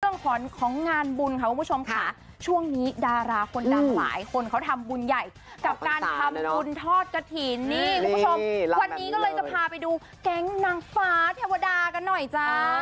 ของงานบุญค่ะคุณผู้ชมค่ะช่วงนี้ดาราคนดังหลายคนเขาทำบุญใหญ่กับการทำบุญทอดกระถิ่นนี่คุณผู้ชมวันนี้ก็เลยจะพาไปดูแก๊งนางฟ้าเทวดากันหน่อยจ้า